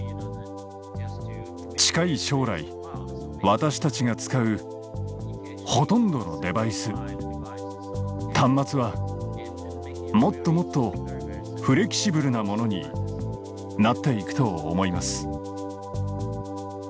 近い将来私たちが使うほとんどのデバイス端末はもっともっとフレキシブルなものになっていくと思います。